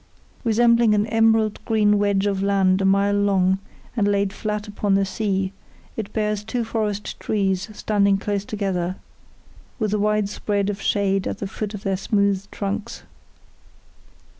Resembling an emerald green wedge of land a mile long, and laid flat upon the sea, it bears two forest trees standing close together, with a wide spread of shade at the foot of their smooth trunks.